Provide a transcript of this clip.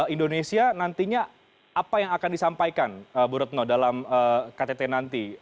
indonesia nantinya apa yang akan disampaikan bu retno dalam ktt nanti